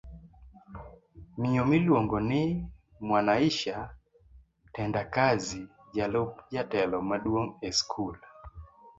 Miyo miluongo ni Mwanaisha Tendakazi jalup jatelo maduong' eskul